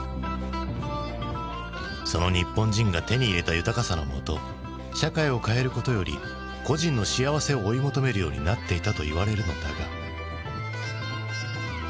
その日本人が手に入れた豊かさのもと社会を変えることより個人の幸せを追い求めるようになっていたといわれるのだが。